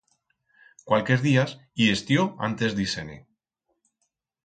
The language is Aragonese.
Cualques días i estió antes d'ir-se-ne.